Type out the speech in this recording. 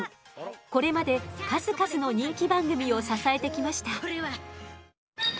これまで数々の人気番組を支えてきました。